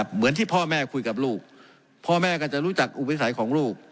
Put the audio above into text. เหมือนที่พ่อแม่คุยกับลูกพ่อแม่ก็จะรู้จักอุปวิสัยของลูก